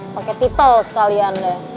pakai titel sekalian deh